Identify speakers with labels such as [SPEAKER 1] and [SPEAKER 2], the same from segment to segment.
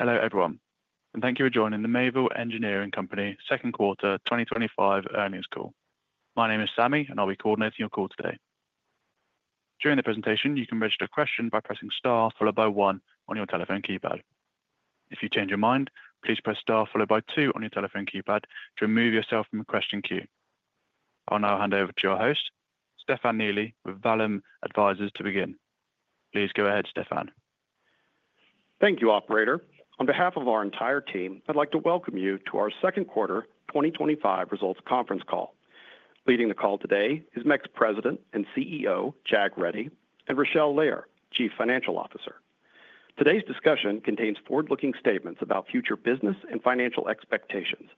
[SPEAKER 1] Hello everyone, and thank you for joining the Mayville Engineering Company Second Quarter 2025 Earnings Call. My name is Sammy, and I'll be coordinating your call today. During the presentation, you can register a question by pressing star followed by one on your telephone keypad. If you change your mind, please press star followed by 2 on your telephone keypad to remove yourself from the question queue. I'll now hand over to your host, Stefan Neely, with Vallum Advisors, to begin. Please go ahead, Stefan.
[SPEAKER 2] Thank you, operator. On behalf of our entire team, I'd like to welcome you to our Second Quarter 2025 Results Conference call. Leading the call today is MEC President and CEO Jag Reddy, and Rachele Lehr, Chief Financial Officer. Today's discussion contains forward-looking statements about future business and financial expectations.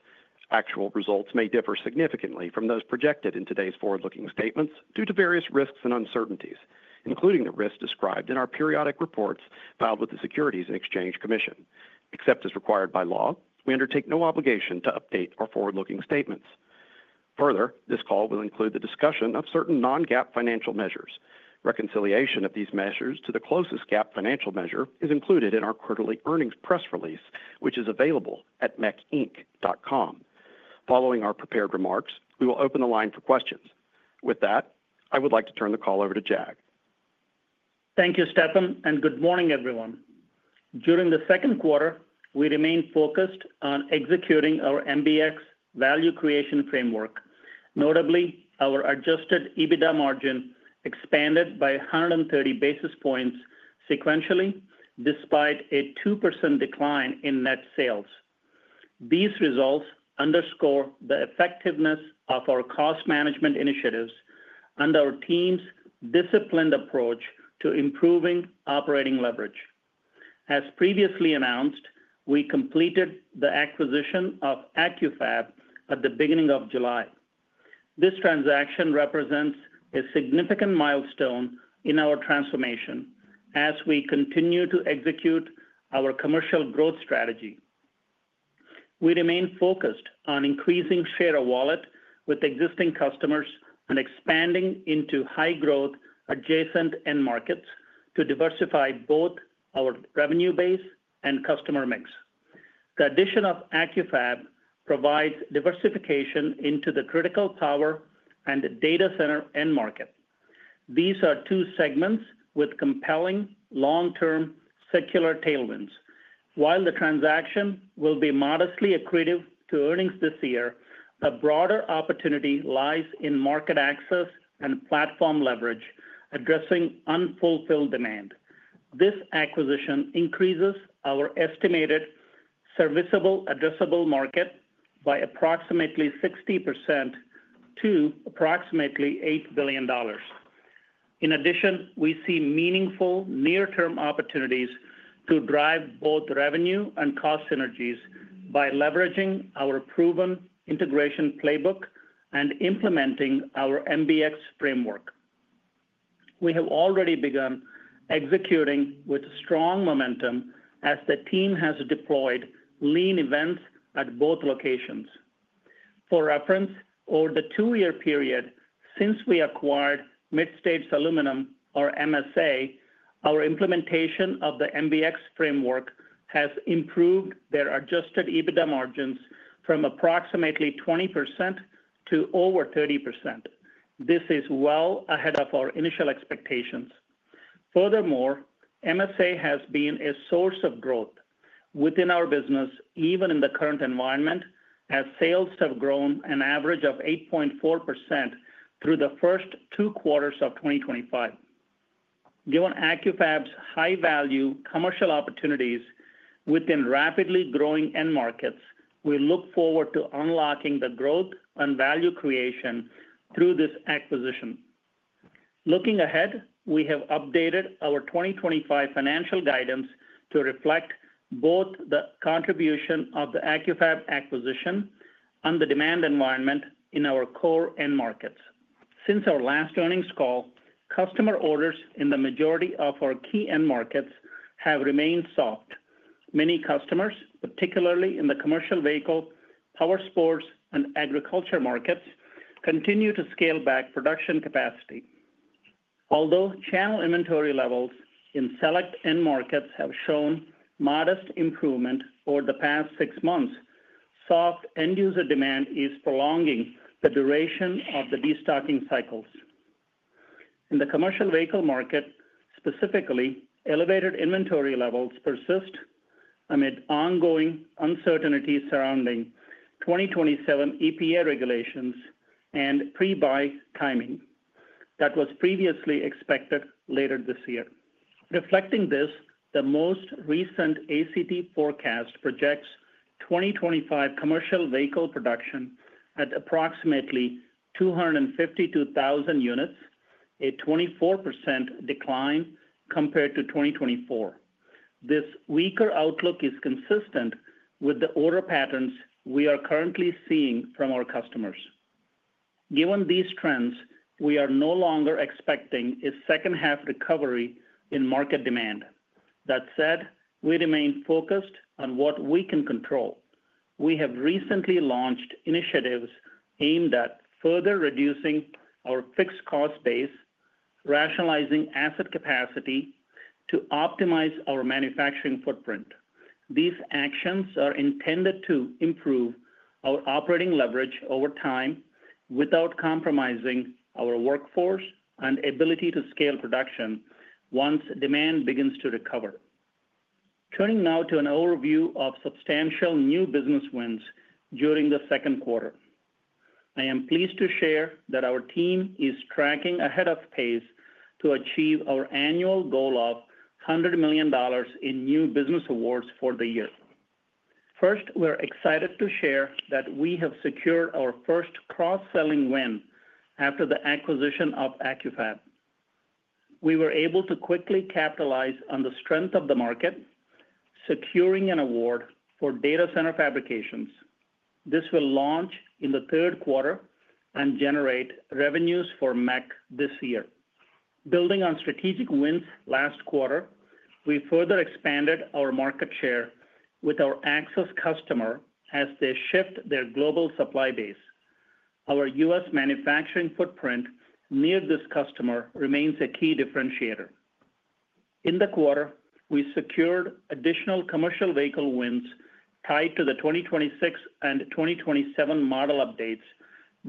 [SPEAKER 2] Actual results may differ significantly from those projected in today's forward-looking statements due to various risks and uncertainties, including the risks described in our periodic reports filed with the Securities and Exchange Commission. Except as required by law, we undertake no obligation to update our forward-looking statements. Further, this call will include the discussion of certain non-GAAP financial measures. Reconciliation of these measures to the closest GAAP financial measure is included in our quarterly earnings press release, which is available at mec-inc.com. Following our prepared remarks, we will open the line for questions. With that, I would like to turn the call over to Jag.
[SPEAKER 3] Thank you, Stefan, and good morning, everyone. During the second quarter, we remained focused on executing our MBX Value Creation Framework. Notably, our adjusted EBITDA margin expanded by 130 basis points sequentially, despite a 2% decline in net sales. These results underscore the effectiveness of our cost management initiatives and our team's disciplined approach to improving operating leverage. As previously announced, we completed the acquisition of Accu-Fab at the beginning of July. This transaction represents a significant milestone in our transformation as we continue to execute our commercial growth strategy. We remain focused on increasing share of wallet with existing customers and expanding into high-growth adjacent end markets to diversify both our revenue base and customer mix. The addition of Accu-Fab provides diversification into the critical tower and data center end markets. These are two segments with compelling long-term secular tailwinds. While the transaction will be modestly accretive to earnings this year, a broader opportunity lies in market access and platform leverage addressing unfulfilled demand. This acquisition increases our estimated serviceable addressable market by approximately 60% to approximately $8 billion. In addition, we see meaningful near-term opportunities to drive both revenue and cost synergies by leveraging our proven integration playbook and implementing our MBX framework. We have already begun executing with strong momentum as the team has deployed lean events at both locations. For reference, over the two-year period since we acquired Mid-States Aluminum, or MSA, our implementation of the MBX framework has improved their adjusted EBITDA margins from approximately 20% to over 30%. This is well ahead of our initial expectations. Furthermore, MSA has been a source of growth within our business, even in the current environment, as sales have grown an average of 8.4% through the first two quarters of 2025. Given Accu-Fab's high-value commercial opportunities within rapidly growing end markets, we look forward to unlocking the growth and value creation through this acquisition. Looking ahead, we have updated our 2025 financial guidance to reflect both the contribution of the Accu-Fab acquisition and the demand environment in our core end markets. Since our last earnings call, customer orders in the majority of our key end markets have remained soft. Many customers, particularly in the commercial vehicle, power sports, and agriculture markets, continue to scale back production capacity. Although channel inventory levels in select end markets have shown modest improvement over the past six months, soft end-user demand is prolonging the duration of the destocking cycles. In the commercial vehicle market specifically, elevated inventory levels persist amid ongoing uncertainty surrounding 2027 EPA regulations and pre-buy timing that was previously expected later this year. Reflecting this, the most recent ACT forecast projects 2025 commercial vehicle production at approximately 252,000 units, a 24% decline compared to 2024. This weaker outlook is consistent with the order patterns we are currently seeing from our customers. Given these trends, we are no longer expecting a second-half recovery in market demand. That said, we remain focused on what we can control. We have recently launched initiatives aimed at further reducing our fixed cost base, rationalizing asset capacity to optimize our manufacturing footprint. These actions are intended to improve our operating leverage over time without compromising our workforce and ability to scale production once demand begins to recover. Turning now to an overview of substantial new business wins during the second quarter, I am pleased to share that our team is tracking ahead of pace to achieve our annual goal of $100 million in new business awards for the year. First, we're excited to share that we have secured our first cross-selling win after the acquisition of Accu-Fab. We were able to quickly capitalize on the strength of the market, securing an award for data center fabrications. This will launch in the third quarter and generate revenues for MEC this year. Building on strategic wins last quarter, we further expanded our market share with our [Axos] customer as they shift their global supply base. Our U.S. manufacturing footprint near this customer remains a key differentiator. In the quarter, we secured additional commercial vehicle wins tied to the 2026 and 2027 model updates,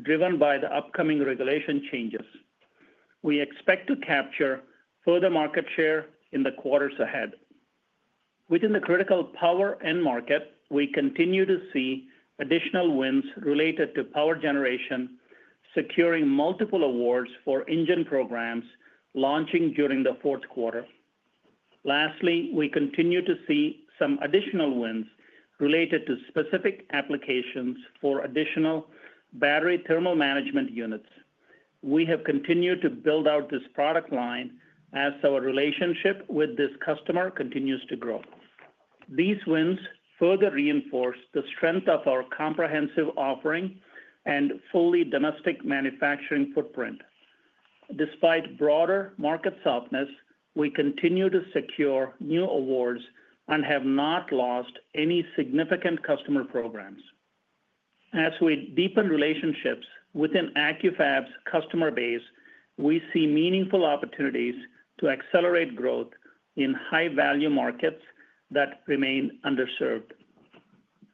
[SPEAKER 3] driven by the upcoming regulation changes. We expect to capture further market share in the quarters ahead. Within the critical power end market, we continue to see additional wins related to power generation, securing multiple awards for engine programs launching during the fourth quarter. Lastly, we continue to see some additional wins related to specific applications for additional battery thermal management units. We have continued to build out this product line as our relationship with this customer continues to grow. These wins further reinforce the strength of our comprehensive offering and fully domestic manufacturing footprint. Despite broader market softness, we continue to secure new awards and have not lost any significant customer programs. As we deepen relationships within Accu-Fab's customer base, we see meaningful opportunities to accelerate growth in high-value markets that remain underserved.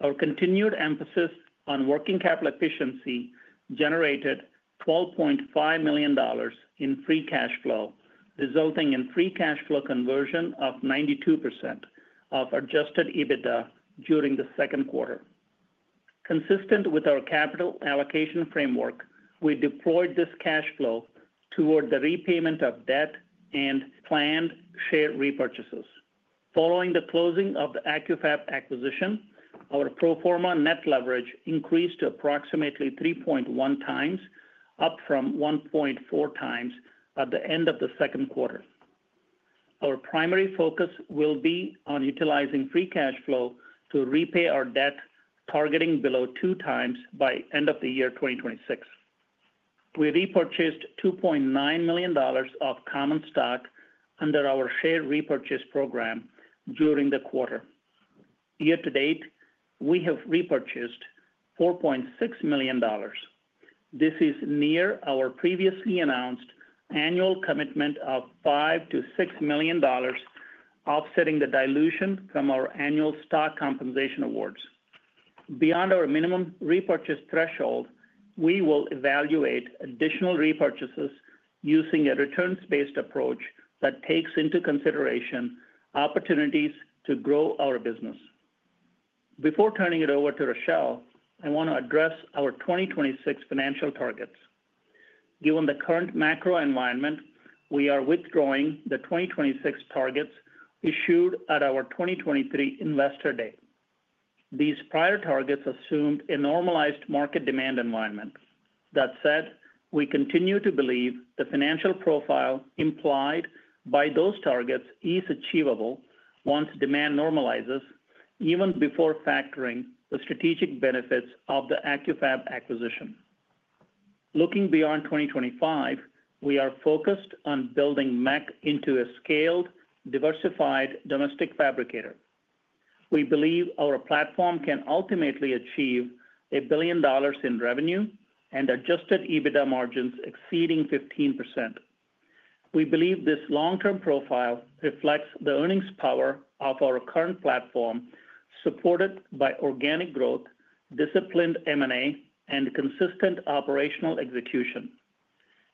[SPEAKER 3] Our continued emphasis on working capital efficiency generated $12.5 million in free cash flow, resulting in free cash flow conversion of 92% of adjusted EBITDA during the second quarter. Consistent with our capital allocation framework, we deployed this cash flow toward the repayment of debt and planned share repurchases. Following the closing of the Accu-Fab acquisition, our pro forma net leverage increased to approximately 3.1 times, up from 1.4 times at the end of the second quarter. Our primary focus will be on utilizing free cash flow to repay our debt, targeting below two times by end of the year 2026. We repurchased $2.9 million of common stock under our share repurchase program during the quarter. Year to date, we have repurchased $4.6 million. This is near our previously announced annual commitment of $5 million-$6 million, offsetting the dilution from our annual stock compensation awards. Beyond our minimum repurchase threshold, we will evaluate additional repurchases using a returns-based approach that takes into consideration opportunities to grow our business. Before turning it over to Rachele, I want to address our 2026 financial targets. Given the current macro environment, we are withdrawing the 2026 targets issued at our 2023 Investor Day. These prior targets assumed a normalized market demand environment. That said, we continue to believe the financial profile implied by those targets is achievable once demand normalizes, even before factoring the strategic benefits of the Accu-Fab acquisition. Looking beyond 2025, we are focused on building MEC into a scaled, diversified domestic fabricator. We believe our platform can ultimately achieve a billion dollars in revenue and adjusted EBITDA margins exceeding 15%. We believe this long-term profile reflects the earnings power of our current platform, supported by organic growth, disciplined M&A, and consistent operational execution.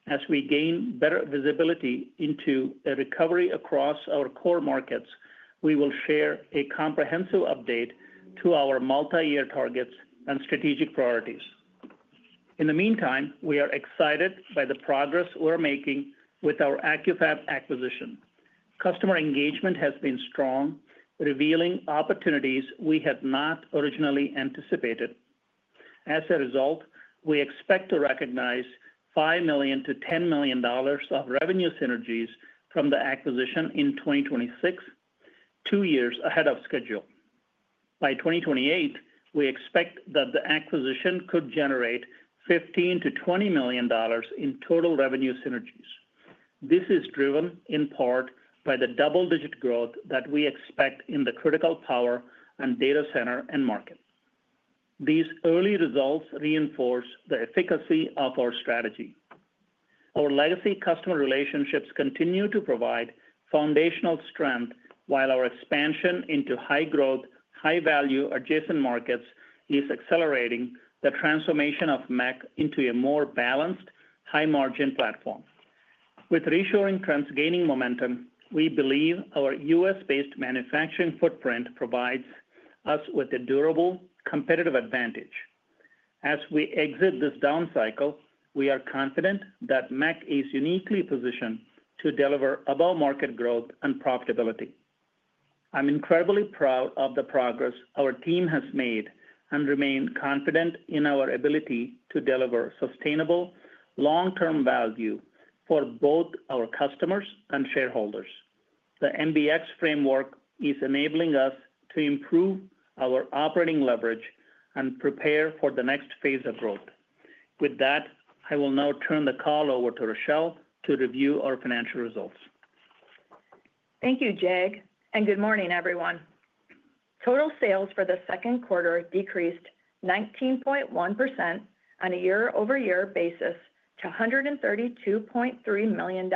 [SPEAKER 3] As we gain better visibility into a recovery across our core markets, we will share a comprehensive update to our multi-year targets and strategic priorities. In the meantime, we are excited by the progress we're making with our Accu-Fab acquisition. Customer engagement has been strong, revealing opportunities we had not originally anticipated. As a result, we expect to recognize $5 million-$10 million of revenue synergies from the acquisition in 2026, two years ahead of schedule. By 2028, we expect that the acquisition could generate $15 million-$20 million in total revenue synergies. This is driven in part by the double-digit growth that we expect in the critical tower and data center end markets. These early results reinforce the efficacy of our strategy. Our legacy customer relationships continue to provide foundational strength, while our expansion into high-growth, high-value adjacent markets is accelerating the transformation of MEC into a more balanced, high-margin platform. With reassuring trends gaining momentum, we believe our U.S.-based manufacturing footprint provides us with a durable competitive advantage. As we exit this down cycle, we are confident that MEC is uniquely positioned to deliver above-market growth and profitability. I'm incredibly proud of the progress our team has made and remain confident in our ability to deliver sustainable long-term value for both our customers and shareholders. The MBX Framework is enabling us to improve our operating leverage and prepare for the next phase of growth. With that, I will now turn the call over to Rachele to review our financial results.
[SPEAKER 4] Thank you, Jag, and good morning, everyone. Total sales for the second quarter decreased 19.1% on a year-over-year basis to $132.3 million.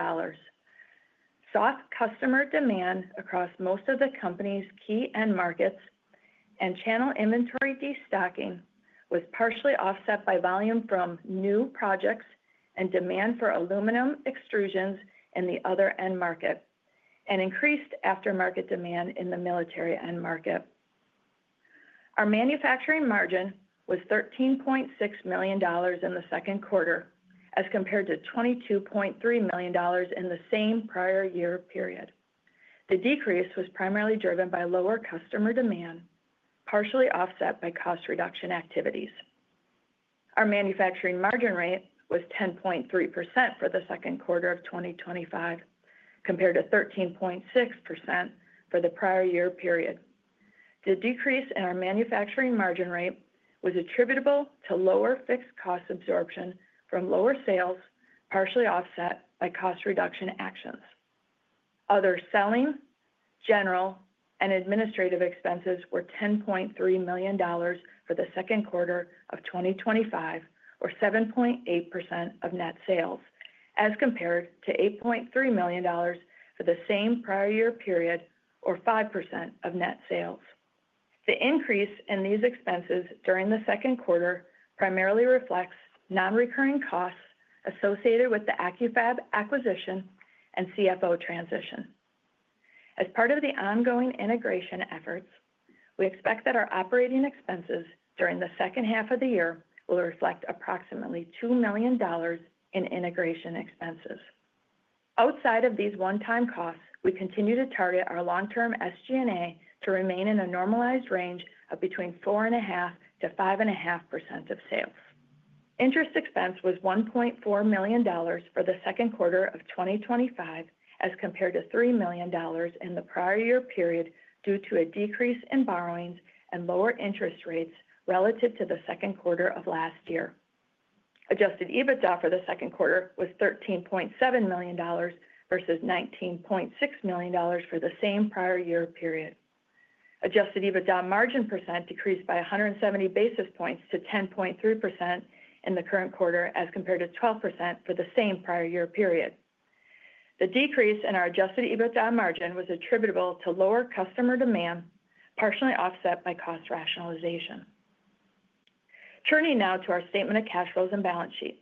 [SPEAKER 4] Soft customer demand across most of the company's key end markets and channel inventory destocking was partially offset by volume from new projects and demand for aluminum extrusions in the other end markets and increased aftermarket demand in the military end market. Our manufacturing margin was $13.6 million in the second quarter, as compared to $22.3 million in the same prior year period. The decrease was primarily driven by lower customer demand, partially offset by cost reduction activities. Our manufacturing margin rate was 10.3% for the second quarter of 2025, compared to 13.6% for the prior year period. The decrease in our manufacturing margin rate was attributable to lower fixed cost absorption from lower sales, partially offset by cost reduction actions. Other selling, general, and administrative expenses were $10.3 million for the second quarter of 2025, or 7.8% of net sales, as compared to $8.3 million for the same prior year period, or 5% of net sales. The increase in these expenses during the second quarter primarily reflects non-recurring costs associated with the Accu-Fab acquisition and CFO transition. As part of the ongoing integration efforts, we expect that our operating expenses during the second half of the year will reflect approximately $2 million in integration expenses. Outside of these one-time costs, we continue to target our long-term SG&A to remain in a normalized range of between 4.5%-5.5% of sales. Interest expense was $1.4 million for the second quarter of 2025, as compared to $3 million in the prior year period due to a decrease in borrowings and lower interest rates relative to the second quarter of last year. Adjusted EBITDA for the second quarter was $13.7 million versus $19.6 million for the same prior year period. Adjusted EBITDA margin percent decreased by 170 basis points to 10.3% in the current quarter, as compared to 12% for the same prior year period. The decrease in our adjusted EBITDA margin was attributable to lower customer demand, partially offset by cost rationalization. Turning now to our statement of cash flows and balance sheet.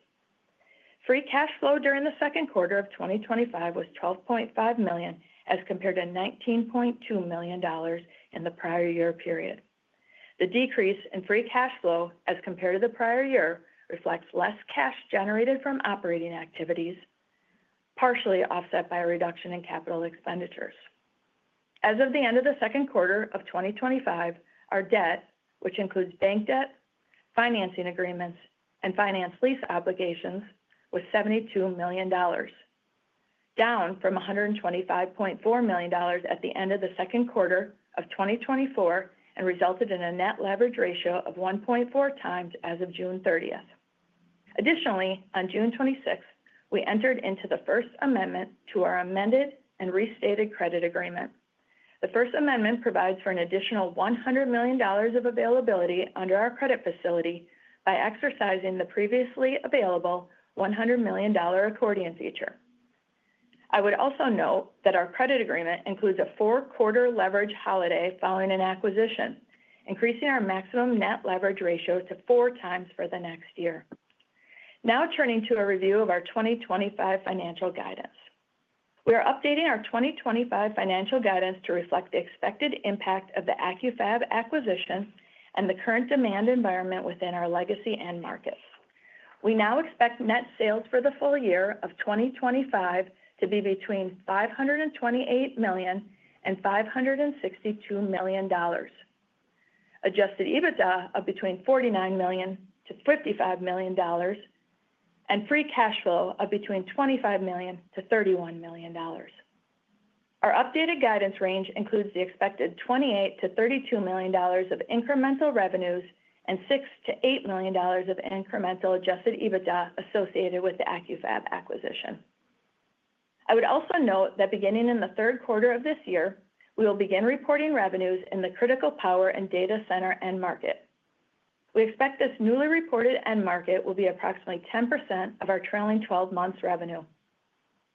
[SPEAKER 4] Free cash flow during the second quarter of 2025 was $12.5 million, as compared to $19.2 million in the prior year period. The decrease in free cash flow, as compared to the prior year, reflects less cash generated from operating activities, partially offset by a reduction in capital expenditures. As of the end of the second quarter of 2025, our debt, which includes bank debt, financing agreements, and finance lease obligations, was $72 million, down from $125.4 million at the end of the second quarter of 2024, and resulted in a net leverage ratio of 1.4 times as of June 30th. Additionally, on June 26th, we entered into the First Amendment to our amended and restated credit agreement. The First Amendment provides for an additional $100 million of availability under our credit facility by exercising the previously available $100 million accordion feature. I would also note that our credit agreement includes a four-quarter leverage holiday following an acquisition, increasing our maximum net leverage ratio to four times for the next year. Now turning to a review of our 2025 financial guidance. We are updating our 2025 financial guidance to reflect the expected impact of the Accu-Fab acquisition and the current demand environment within our legacy end markets. We now expect net sales for the full year of 2025 to be between $528 million and $562 million, adjusted EBITDA of between $49 million-$55 million, and free cash flow of between $25 million-$31 million. Our updated guidance range includes the expected $28 million-$32 million of incremental revenues and $6 million-$8 million of incremental adjusted EBITDA associated with the Accu-Fab acquisition. I would also note that beginning in the third quarter of this year, we will begin reporting revenues in the critical power and data center end market. We expect this newly reported end market will be approximately 10% of our trailing 12 months' revenue.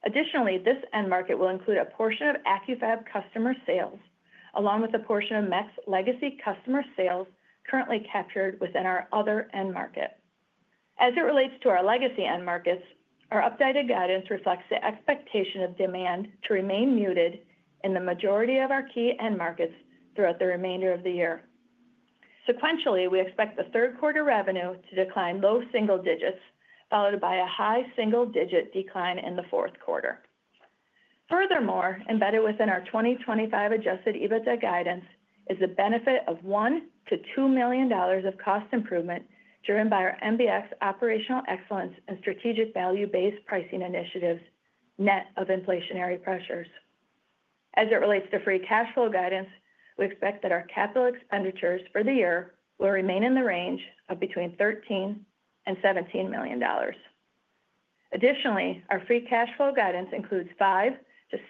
[SPEAKER 4] Additionally, this end market will include a portion of Accu-Fab customer sales, along with a portion of MEC legacy customer sales currently captured within our other end market. As it relates to our legacy end markets, our updated guidance reflects the expectation of demand to remain muted in the majority of our key end markets throughout the remainder of the year. Sequentially, we expect the third quarter revenue to decline low single digits, followed by a high single digit decline in the fourth quarter. Furthermore, embedded within our 2025 adjusted EBITDA guidance is the benefit of $1 million-$2 million of cost improvement driven by our MBX operational excellence and strategic value-based pricing initiatives, net of inflationary pressures. As it relates to free cash flow guidance, we expect that our capital expenditures for the year will remain in the range of between $13 million and $17 million. Additionally, our free cash flow guidance includes $5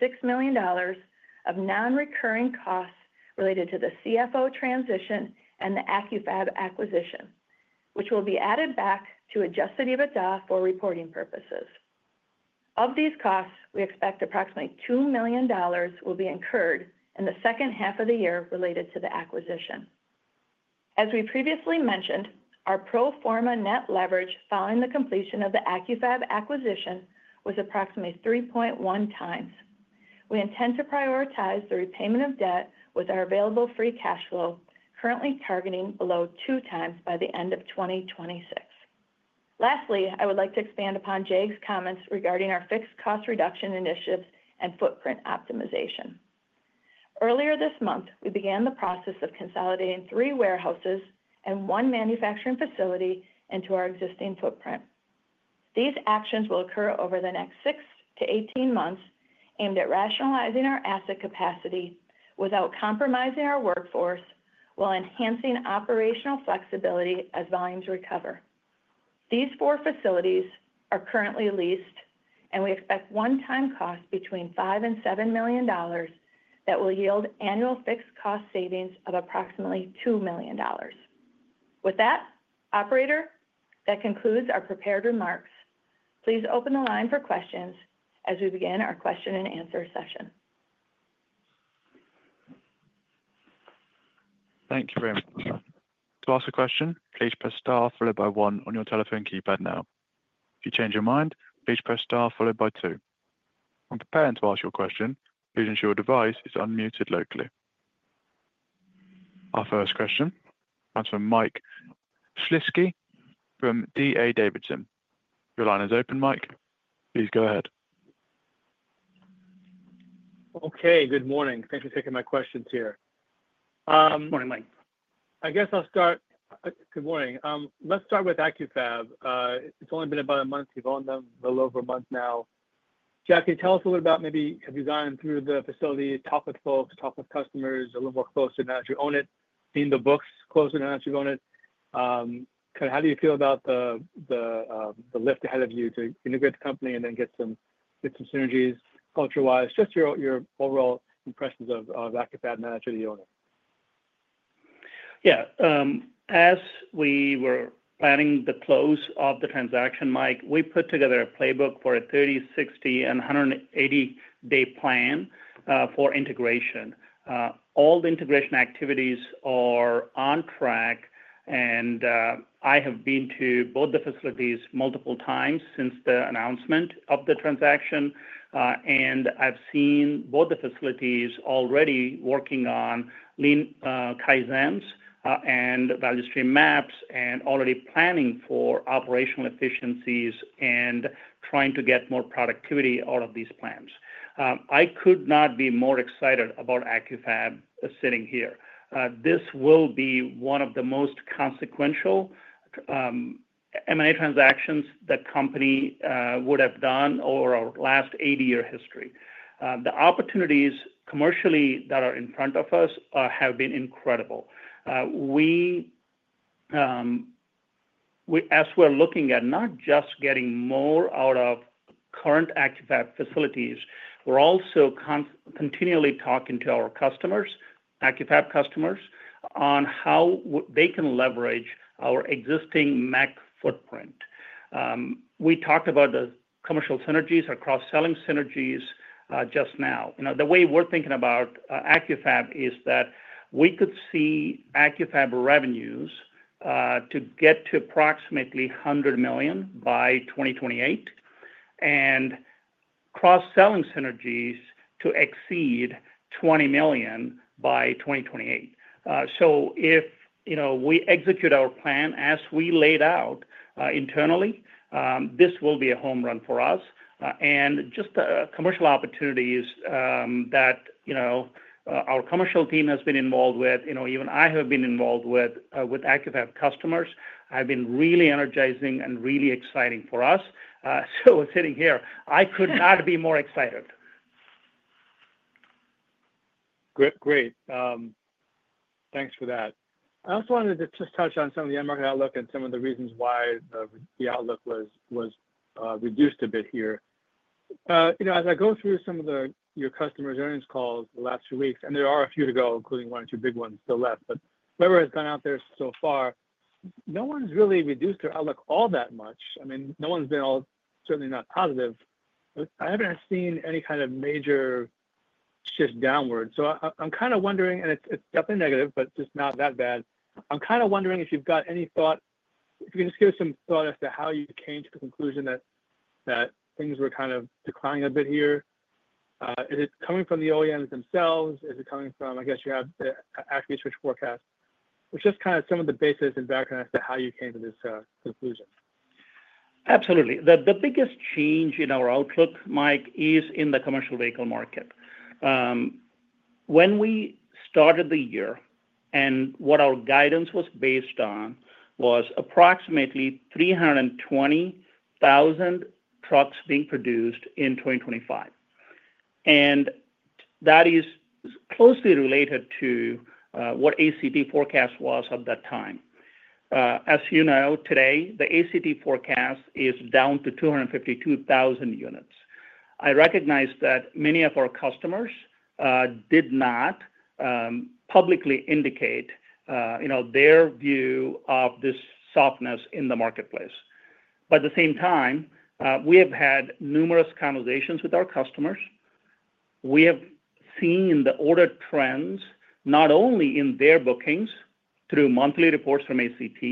[SPEAKER 4] million-$6 million of non-recurring costs related to the CFO transition and the Accu-Fab acquisition, which will be added back to adjusted EBITDA for reporting purposes. Of these costs, we expect approximately $2 million will be incurred in the second half of the year related to the acquisition. As we previously mentioned, our pro forma net leverage following the completion of the Accu-Fab acquisition was approximately 3.1 times. We intend to prioritize the repayment of debt with our available free cash flow, currently targeting below two times by the end of 2026. Lastly, I would like to expand upon Jag's comments regarding our fixed cost reduction initiatives and footprint optimization. Earlier this month, we began the process of consolidating three warehouses and one manufacturing facility into our existing footprint. These actions will occur over the next six to 18 months, aimed at rationalizing our asset capacity without compromising our workforce, while enhancing operational flexibility as volumes recover. These four facilities are currently leased, and we expect one-time costs between $5 million and $7 million that will yield annual fixed cost savings of approximately $2 million. With that, operator, that concludes our prepared remarks. Please open the line for questions as we begin our question-and-answer session.
[SPEAKER 1] Thank you, Ma'am. To ask a question, please press star followed by 1 on your telephone keypad now. If you change your mind, please press start followed by 2. When preparing to ask your question, please ensure your device is unmuted locally. Our first question comes from Mike Slisky from D.A. Davidson. Your line is open, Mike. Please go ahead.
[SPEAKER 5] Okay, good morning. Thanks for taking my questions here.
[SPEAKER 3] Morning, Mike.
[SPEAKER 5] I guess I'll start. Good morning. Let's start with Accu-Fab. It's only been about a month. You've owned them a little over a month now. Jag, tell us a little bit about maybe have you gone through the facility, talked with folks, talked with customers a little more closely now that you own it, seen the books closely now that you've owned it? How do you feel about the lift ahead of you to integrate the company and then get some synergies culture-wise? Just your overall impressions of Accu-Fab now that you own it.
[SPEAKER 3] Yeah, as we were planning the close of the transaction, Mike, we put together a playbook for a 30, 60, and 180-day plan for integration. All the integration activities are on track, and I have been to both the facilities multiple times since the announcement of the transaction. I've seen both the facilities already working on lean initiatives and value stream maps and already planning for operational efficiencies and trying to get more productivity out of these plans. I could not be more excited about Accu-Fab sitting here. This will be one of the most consequential M&A transactions the company would have done over our last 80-year history. The opportunities commercially that are in front of us have been incredible. As we're looking at not just getting more out of current Accu-Fab facilities, we're also continually talking to our customers, Accu-Fab customers, on how they can leverage our existing MEC footprint. We talked about the commercial synergies, our cross-selling synergies just now. The way we're thinking about Accu-Fab is that we could see Accu-Fab revenues get to approximately $100 million by 2028 and cross-selling synergies to exceed $20 million by 2028. If we execute our plan as we laid out internally, this will be a home run for us. Just the commercial opportunities that our commercial team has been involved with, even I have been involved with Accu-Fab customers, have been really energizing and really exciting for us. We're sitting here. I could not be more excited.
[SPEAKER 5] Great, great. Thanks for that. I also wanted to just touch on some of the end market outlook and some of the reasons why the outlook was reduced a bit here. As I go through some of your customers' earnings calls the last few weeks, and there are a few to go, including one or two big ones still left, whatever has gone out there so far, no one's really reduced their outlook all that much. I mean, no one's been all certainly not positive. I haven't seen any kind of major shift downward. I'm kind of wondering, and it's definitely negative, but just not that bad. I'm kind of wondering if you've got any thought, if you can just give us some thought as to how you came to the conclusion that things were kind of declining a bit here. Is it coming from the OEMs themselves? Is it coming from, I guess you have the Accu-Fab forecast, which is just kind of some of the basis and background as to how you came to this conclusion.
[SPEAKER 3] Absolutely. The biggest change in our outlook, Mike, is in the commercial vehicle market. When we started the year, and what our guidance was based on was approximately 320,000 trucks being produced in 2025. That is closely related to what ACT forecast was at that time. As you know, today, the ACT forecast is down to 252,000 units. I recognize that many of our customers did not publicly indicate their view of this softness in the marketplace. At the same time, we have had numerous conversations with our customers. We have seen the order trends not only in their bookings through monthly reports from ACT,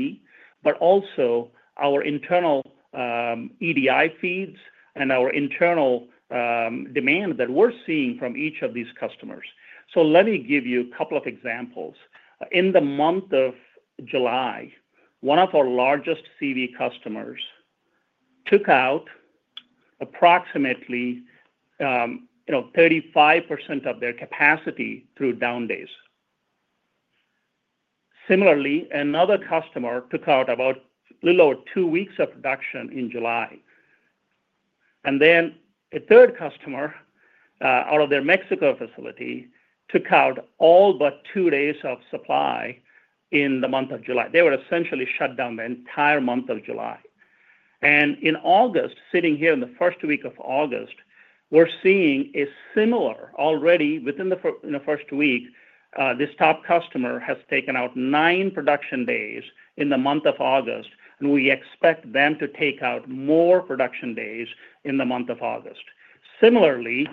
[SPEAKER 3] but also our internal EDI feeds and our internal demand that we're seeing from each of these customers. Let me give you a couple of examples. In the month of July, one of our largest CV customers took out approximately 35% of their capacity through down days. Similarly, another customer took out a little over two weeks of production in July. A third customer out of their Mexico facility took out all but two days of supply in the month of July. They were essentially shut down the entire month of July. In August, sitting here in the first week of August, we're seeing a similar already within the first week. This top customer has taken out nine production days in the month of August, and we expect them to take out more production days in the month of August. If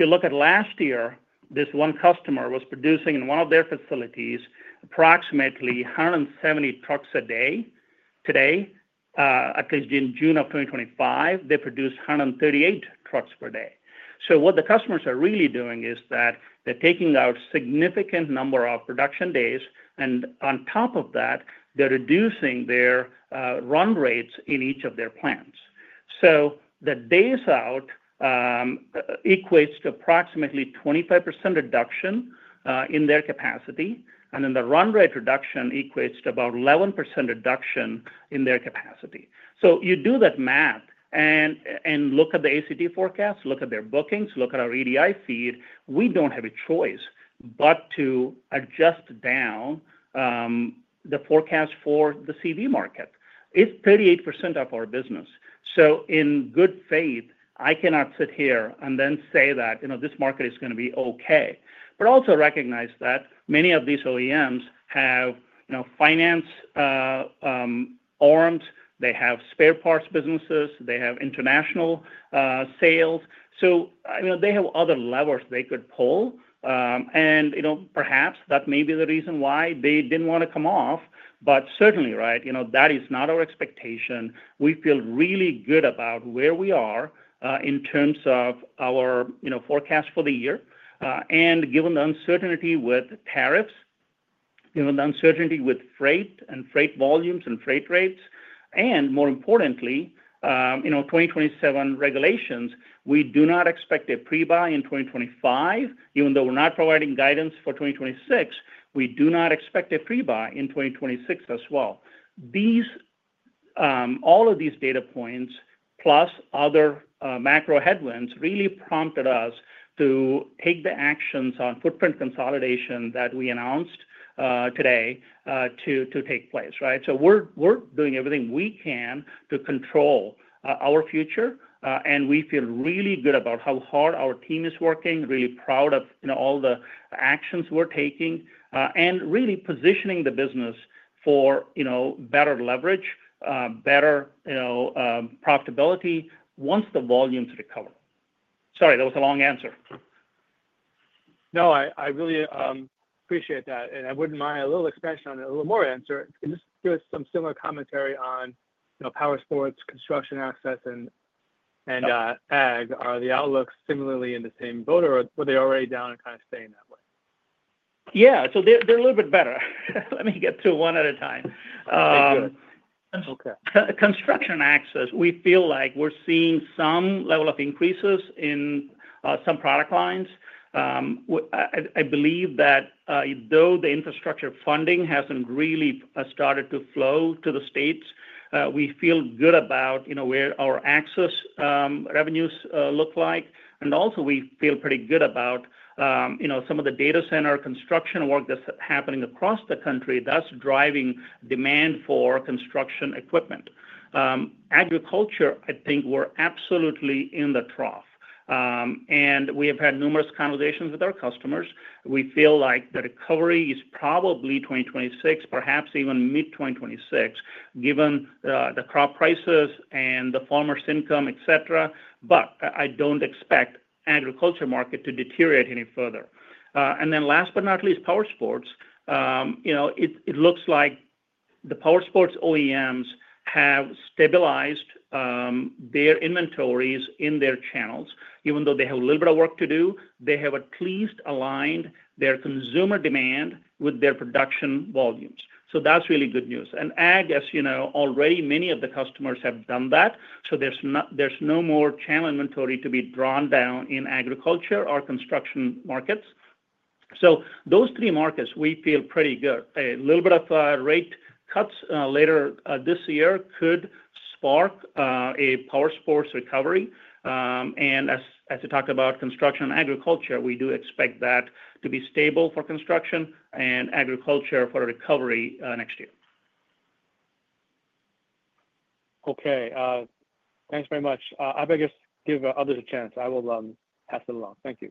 [SPEAKER 3] you look at last year, this one customer was producing in one of their facilities approximately 170 trucks a day. Today, at least in June of 2025, they produce 138 trucks per day. What the customers are really doing is that they're taking out a significant number of production days, and on top of that, they're reducing their run rates in each of their plants. The days out equate to approximately a 25% reduction in their capacity, and then the run rate reduction equates to about an 11% reduction in their capacity. You do that math and look at the ACT forecast, look at their bookings, look at our EDI feed. We don't have a choice but to adjust down the forecast for the CV market. It's 38% of our business. In good faith, I cannot sit here and then say that this market is going to be okay. I also recognize that many of these OEMs have finance arms, they have spare parts businesses, they have international sales. They have other levers they could pull. Perhaps that may be the reason why they didn't want to come off. Certainly, that is not our expectation. We feel really good about where we are in terms of our forecast for the year. Given the uncertainty with tariffs, the uncertainty with freight and freight volumes and freight rates, and more importantly, 2027 regulations, we do not expect a pre-buy in 2025. Even though we're not providing guidance for 2026, we do not expect a pre-buy in 2026 as well. All of these data points, plus other macro headwinds, really prompted us to take the actions on footprint consolidation that we announced today to take place. We are doing everything we can to control our future, and we feel really good about how hard our team is working, really proud of all the actions we're taking, and really positioning the business for better leverage, better profitability once the volumes recover. Sorry, that was a long answer.
[SPEAKER 5] I really appreciate that. I wouldn't mind a little expansion on a little more answer. Can you just give us some similar commentary on, you know, power sports, construction access, and ag? Are the outlooks similarly in the same boat, or were they already down and kind of staying that way?
[SPEAKER 3] Yeah, they're a little bit better. Let me get through one at a time.
[SPEAKER 5] Okay.
[SPEAKER 3] Construction access, we feel like we're seeing some level of increases in some product lines. I believe that though the infrastructure funding hasn't really started to flow to the states, we feel good about, you know, where our access revenues look like. We feel pretty good about, you know, some of the data center construction work that's happening across the country, thus driving demand for construction equipment. Agriculture, I think we're absolutely in the trough. We have had numerous conversations with our customers. We feel like the recovery is probably 2026, perhaps even mid-2026, given the crop prices and the farmers' income, etc. I don't expect the agriculture market to deteriorate any further. Last but not least, power sports, you know, it looks like the power sports OEMs have stabilized their inventories in their channels. Even though they have a little bit of work to do, they have at least aligned their consumer demand with their production volumes. That's really good news. In ag, as you know, already many of the customers have done that. There's no more channel inventory to be drawn down in agriculture or construction markets. Those three markets, we feel pretty good. A little bit of rate cuts later this year could spark a power sports recovery. As you talk about construction and agriculture, we do expect that to be stable for construction and agriculture for a recovery next year.
[SPEAKER 5] Okay, thanks very much. I better give others a chance. I will pass it along. Thank you.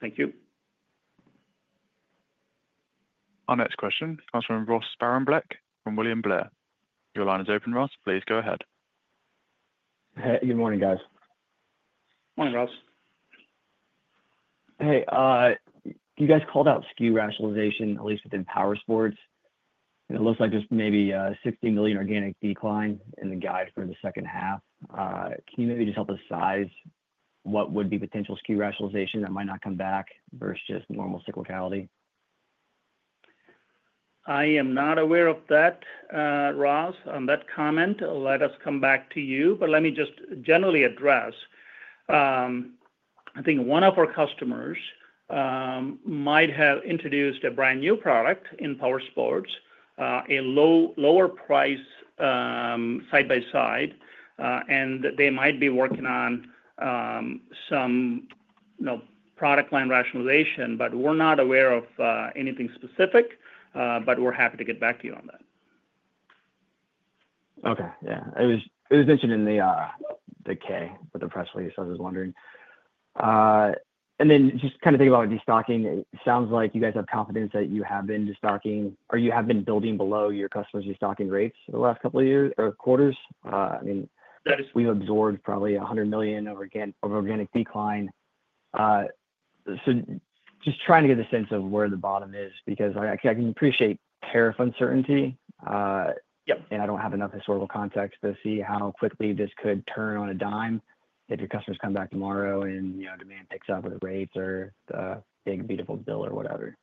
[SPEAKER 3] Thank you.
[SPEAKER 1] Our next question comes from Ross Sparenblek from William Blair. Your line is open, Ross. Please go ahead.
[SPEAKER 6] Hey, good morning, guys.
[SPEAKER 3] Morning, Ross!
[SPEAKER 6] Hey, you guys called out SKU rationalization, at least within power sports. It looks like there's maybe a $60 million organic decline in the guidance for the second half. Can you maybe just help us size what would be potential SKU rationalization that might not come back versus just normal cyclicality?
[SPEAKER 3] I am not aware of that, Ross, on that comment. Let us come back to you. Let me just generally address, I think one of our customers might have introduced a brand new product in power sports, a lower price side by side, and they might be working on some product line rationalization. We're not aware of anything specific, but we're happy to get back to you on that.
[SPEAKER 6] Okay, yeah, it was mentioned in the K with the press release. I was wondering. Just kind of thinking about the destocking, it sounds like you guys have confidence that you have been destocking, or you have been building below your customers' destocking rates for the last couple of years or quarters. I mean, we've absorbed probably $100 million of organic decline. Just trying to get a sense of where the bottom is because I can appreciate tariff uncertainty. Yep, and I don't have enough historical context to see how quickly this could turn on a dime if your customers come back tomorrow and, you know, demand picks up with the rates or the big beautiful bill or whatever.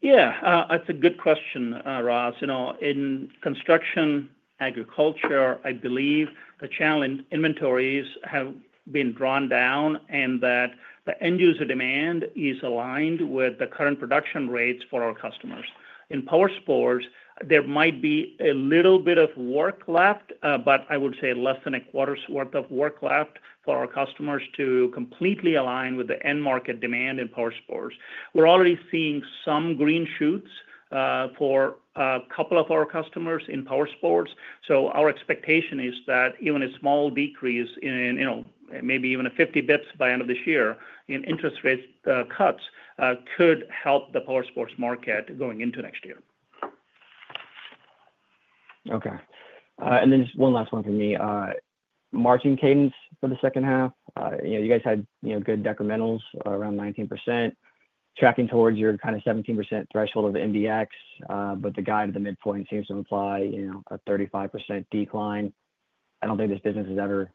[SPEAKER 3] Yeah, that's a good question, Ross. In construction agriculture, I believe the channel inventories have been drawn down and that the end user demand is aligned with the current production rates for our customers. In power sports, there might be a little bit of work left, but I would say less than a quarter's worth of work left for our customers to completely align with the end market demand in power sports. We're already seeing some green shoots for a couple of our customers in power sports. Our expectation is that even a small decrease in, you know, maybe even a 50 basis points by the end of this year in interest rate cuts could help the power sports market going into next year.
[SPEAKER 6] Okay, and then just one last one from me. Margin cadence for the second half. You guys had good decrementals around 19%, tracking towards your kind of 17% threshold of the MBX, but the guide at the midpoint seems to imply a 35% decline. I don't think this business has ever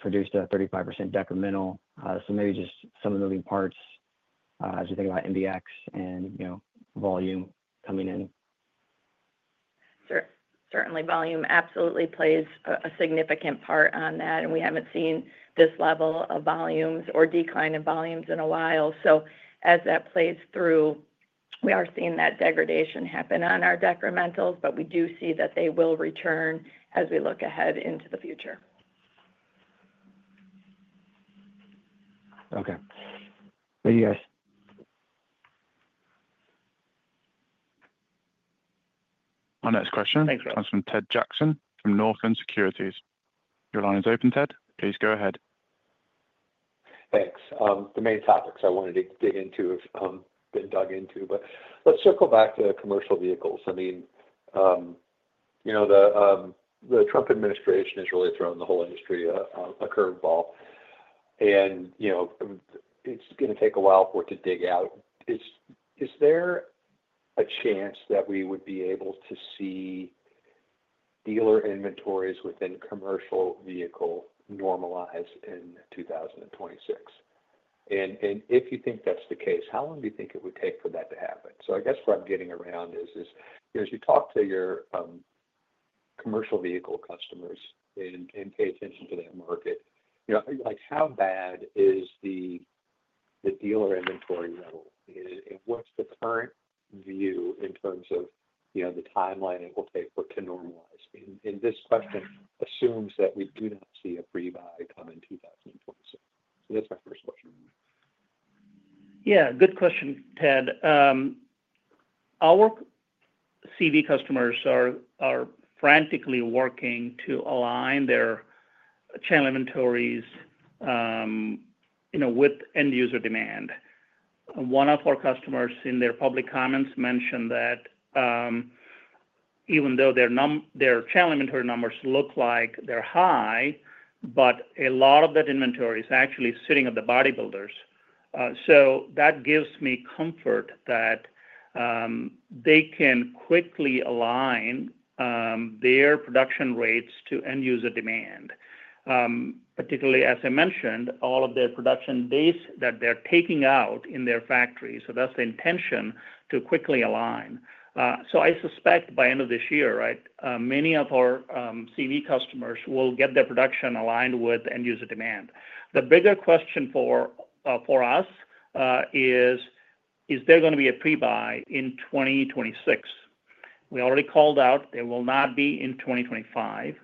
[SPEAKER 6] produced a 35% decremental. Maybe just some of the moving parts as we think about MBX and volume coming in.
[SPEAKER 4] Certainly, volume absolutely plays a significant part in that, and we haven't seen this level of volumes or decline in volumes in a while. As that plays through, we are seeing that degradation happen on our decrementals, but we do see that they will return as we look ahead into the future.
[SPEAKER 6] Okay, thank you, guys.
[SPEAKER 1] Our next question comes from Ted Jackson from Northland Capital Markets. Your line is open, Ted. Please go ahead.
[SPEAKER 7] Thanks. The main topics I wanted to dig into have been dug into, but let's circle back to commercial vehicles. I mean, you know, the Trump administration has really thrown the whole industry a curveball, and you know, it's going to take a while for it to dig out. Is there a chance that we would be able to see dealer inventories within commercial vehicle normalize in 2026? If you think that's the case, how long do you think it would take for that to happen? I guess what I'm getting around is, as you talk to your commercial vehicle customers and pay attention to that market, how bad is the dealer inventory level? What's the current view in terms of the timeline it will take for it to normalize? This question assumes that we do not see a pre-buy come in 2026. That's my first question.
[SPEAKER 3] Yeah, good question, Ted. Our CV customers are frantically working to align their channel inventories with end user demand. One of our customers in their public comments mentioned that even though their channel inventory numbers look like they're high, a lot of that inventory is actually sitting at the bodybuilders. That gives me comfort that they can quickly align their production rates to end user demand, particularly, as I mentioned, all of their production days that they're taking out in their factory. That's the intention to quickly align. I suspect by the end of this year, many of our CV customers will get their production aligned with end user demand. The bigger question for us is, is there going to be a pre-buy in 2026? We already called out there will not be in 2025.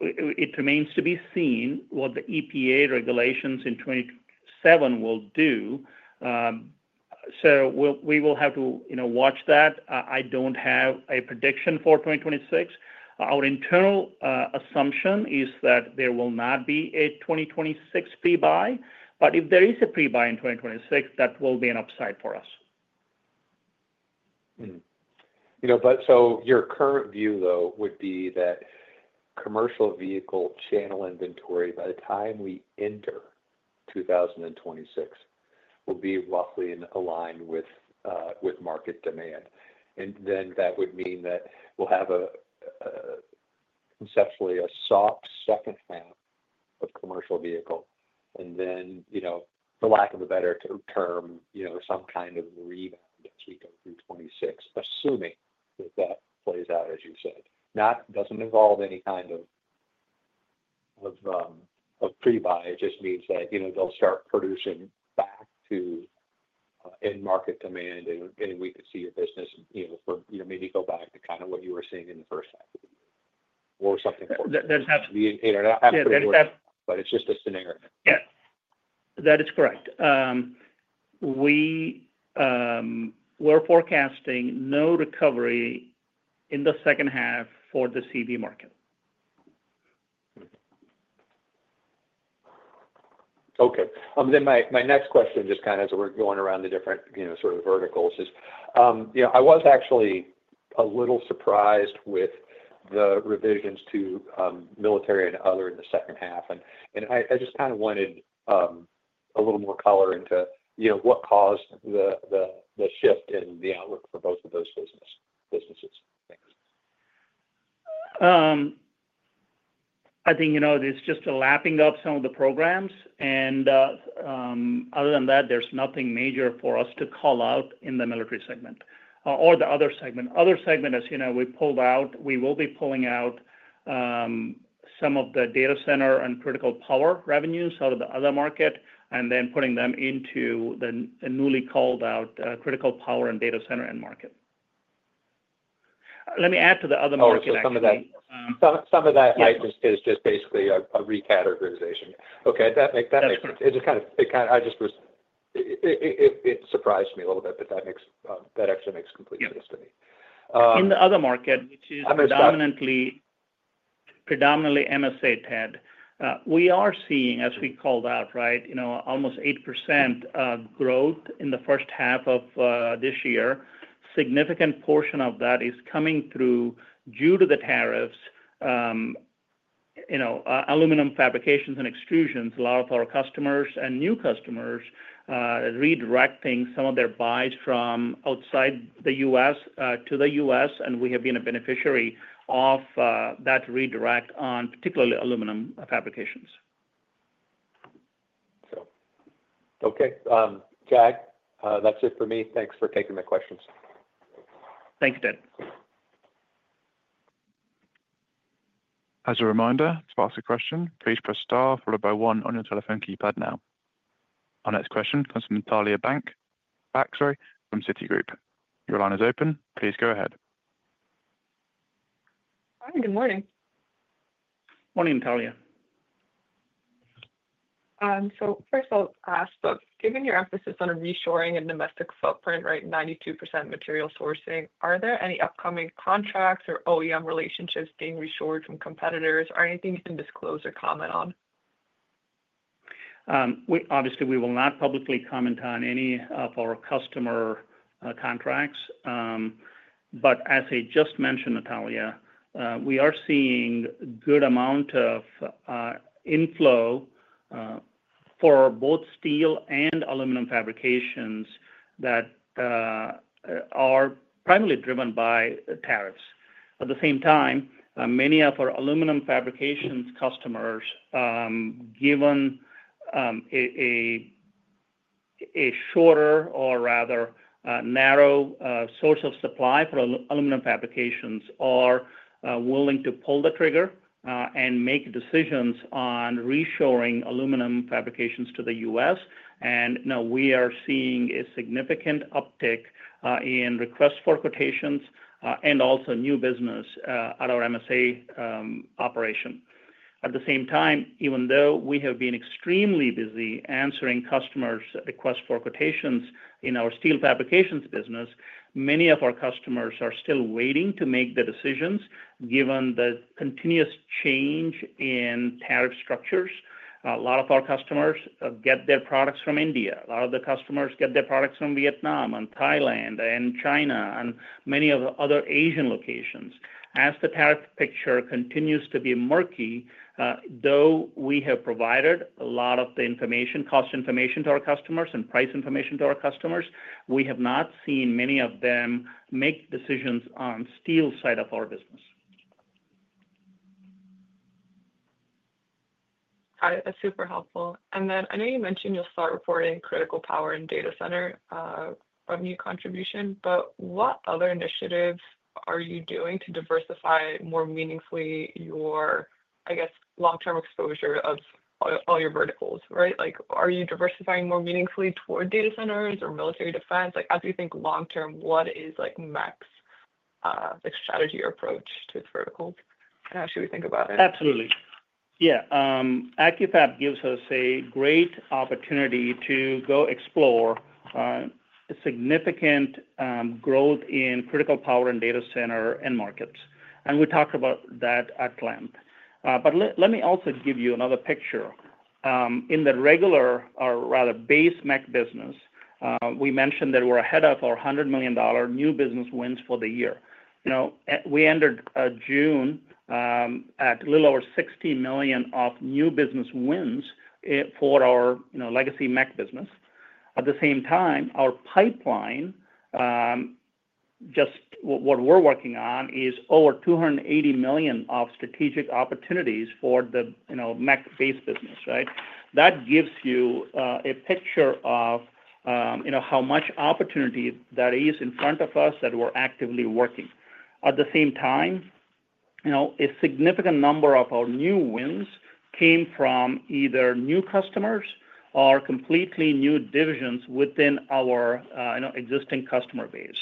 [SPEAKER 3] It remains to be seen what the EPA regulations in 2027 will do. We will have to watch that. I don't have a prediction for 2026. Our internal assumption is that there will not be a 2026 pre-buy, but if there is a pre-buy in 2026, that will be an upside for us.
[SPEAKER 7] Your current view, though, would be that commercial vehicle channel inventory, by the time we enter 2026, will be roughly aligned with market demand. That would mean we'll have, conceptually, a soft second half of commercial vehicle, and then, for lack of a better term, some kind of revamp as we go through 2026, assuming that plays out, as you said. That doesn't involve any kind of pre-buy. It just means that they'll start producing back to end market demand, and we could see a business maybe go back to kind of what you were seeing in the first half of the year or something else.
[SPEAKER 3] That is absolutely.
[SPEAKER 7] It is just a scenario.
[SPEAKER 3] Yeah, that is correct. We're forecasting no recovery in the second half for the CV market.
[SPEAKER 7] Okay, then my next question, just kind of as we're going around the different, you know, sort of verticals, is, you know, I was actually a little surprised with the revisions to military and other in the second half. I just kind of wanted a little more color into, you know, what caused the shift in the outlook for both of those businesses.
[SPEAKER 3] I think there's just a lapping of some of the programs, and other than that, there's nothing major for us to call out in the military segment or the other segment. As you know, we will be pulling out some of the data center and critical power revenues out of the other market and then putting them into the newly called out critical power and data center end market. Let me add to the other market.
[SPEAKER 7] That makes sense. It just kind of surprised me a little bit, but that actually makes complete sense to me.
[SPEAKER 3] In the other market, which is predominantly MSA, Ted, we are seeing, as we called out, right, you know, almost 8% growth in the first half of this year. A significant portion of that is coming through due to the tariffs, you know, aluminum fabrications and extrusions. A lot of our customers and new customers redirecting some of their buys from outside the U.S. to the U.S., and we have been a beneficiary of that redirect on particularly aluminum fabrications.
[SPEAKER 7] Okay, Jag, that's it for me. Thanks for taking the questions.
[SPEAKER 3] Thank you, Ted.
[SPEAKER 1] As a reminder, to ask a question, please press star followed by one on your telephone keypad now. Our next question comes from Natalia Bak from Citibank. Your line is open. Please go ahead.
[SPEAKER 8] Hi, good morning.
[SPEAKER 3] Morning, Natalia.
[SPEAKER 8] Given your emphasis on reshoring and domestic footprint, right, 92% material sourcing, are there any upcoming contracts or OEM relationships being reshored from competitors, or anything you can disclose or comment on?
[SPEAKER 3] Obviously, we will not publicly comment on any of our customer contracts. As I just mentioned, Natalia, we are seeing a good amount of inflow for both steel and aluminum fabrications that are primarily driven by tariffs. At the same time, many of our aluminum fabrications customers, given a shorter or rather narrow source of supply for aluminum fabrications, are willing to pull the trigger and make decisions on reshoring aluminum fabrications to the U.S. We are seeing a significant uptick in requests for quotations and also new business at our MSA operation. Even though we have been extremely busy answering customers' requests for quotations in our steel fabrications business, many of our customers are still waiting to make their decisions given the continuous change in tariff structures. A lot of our customers get their products from India. A lot of the customers get their products from Vietnam, Thailand, China, and many of the other Asian locations. As the tariff picture continues to be murky, though we have provided a lot of the information, cost information to our customers, and price information to our customers, we have not seen many of them make decisions on the steel side of our business.
[SPEAKER 8] That's super helpful. I know you mentioned you'll start reporting critical power and data center of new contribution, but what other initiatives are you doing to diversify more meaningfully your, I guess, long-term exposure of all your verticals, right? Like, are you diversifying more meaningfully toward data centers or military defense? As you think long-term, what is like MEC's strategy or approach to its verticals? How should we think about it?
[SPEAKER 3] Absolutely. Yeah, Accu-Fab gives us a great opportunity to go explore a significant growth in critical power and data center end markets. We talked about that at length. Let me also give you another picture. In the regular, or rather base MEC business, we mentioned that we're ahead of our $100 million new business wins for the year. We ended June at a little over $60 million of new business wins for our legacy MEC business. At the same time, our pipeline, just what we're working on, is over $280 million of strategic opportunities for the MEC-based business, right? That gives you a picture of how much opportunity that is in front of us that we're actively working. At the same time, a significant number of our new wins came from either new customers or completely new divisions within our existing customer base.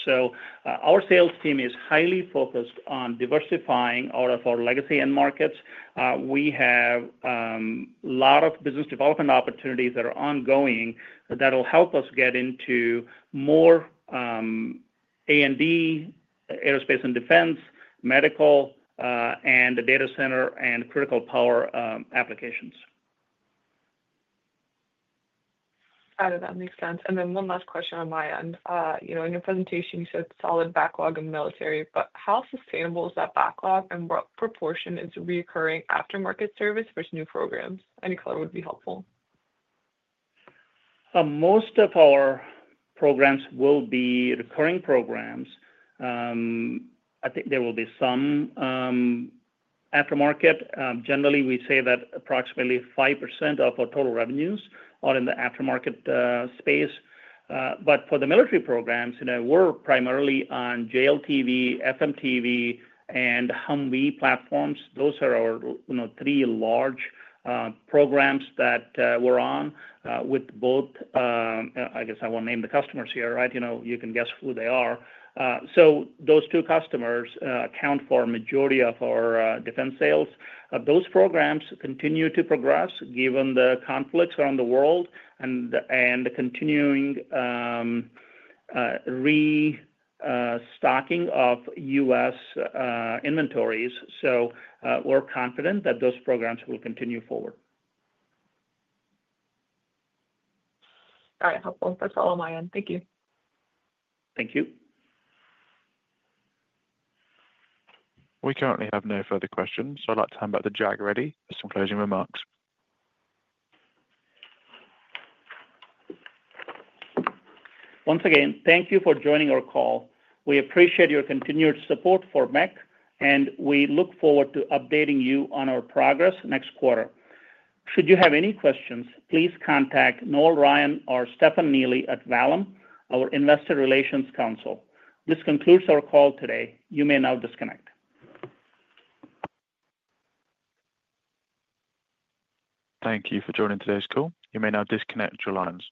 [SPEAKER 3] Our sales team is highly focused on diversifying out of our legacy end markets. We have a lot of business development opportunities that are ongoing that will help us get into more A&D, aerospace and defense, medical, and data center, and critical power applications.
[SPEAKER 8] I know that makes sense. One last question on my end. In your presentation, you said solid backlog in military, but how sustainable is that backlog and what proportion is reoccurring aftermarket service versus new programs? Any color would be helpful.
[SPEAKER 3] Most of our programs will be recurring programs. I think there will be some aftermarket. Generally, we say that approximately 5% of our total revenues are in the aftermarket space. For the military programs, we're primarily on JLTV, FMTV, and Humvee platforms. Those are our three large programs that we're on with both, I guess I won't name the customers here, right? You can guess who they are. Those two customers account for a majority of our defense sales. Those programs continue to progress given the conflicts around the world and the continuing restocking of U.S. inventories. We're confident that those programs will continue forward.
[SPEAKER 8] All right, helpful. That's all on my end. Thank you.
[SPEAKER 3] Thank you.
[SPEAKER 1] We currently have no further questions. I'd like to hand back to Jag Reddy for some closing remarks.
[SPEAKER 3] Once again, thank you for joining our call. We appreciate your continued support for MEC, and we look forward to updating you on our progress next quarter. Should you have any questions, please contact Noel Ryan or Stefan Neely at Vallum, our Investor Relations Council. This concludes our call today. You may now disconnect.
[SPEAKER 1] Thank you for joining today's call. You may now disconnect your lines.